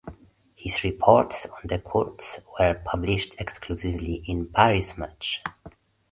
His reports on the Kurds were published exclusively in "Paris Match".